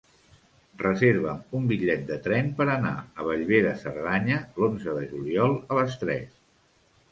Reserva'm un bitllet de tren per anar a Bellver de Cerdanya l'onze de juliol a les tres.